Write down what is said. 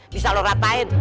bisa lu ratain